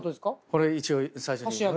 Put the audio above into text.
これ一応最初に。